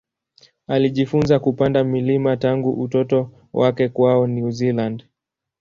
Alijifunza kupanda milima tangu utoto wake kwao New Zealand.